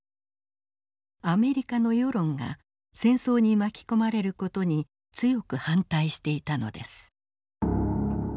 アメリカの世論が戦争に巻き込まれる事に強く反対していたのです。